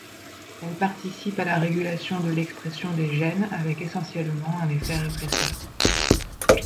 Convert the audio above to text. Elles participent à la régulation de l'expression des gènes avec essentiellement un effet répresseur.